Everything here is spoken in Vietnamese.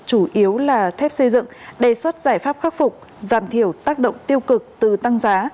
chủ yếu là thép xây dựng đề xuất giải pháp khắc phục giảm thiểu tác động tiêu cực từ tăng giá